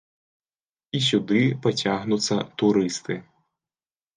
І сюды пацягнуцца турысты.